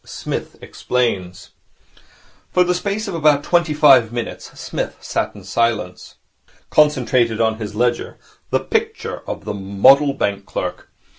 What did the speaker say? Psmith Explains For the space of about twenty five minutes Psmith sat in silence, concentrated on his ledger, the picture of the model bank clerk.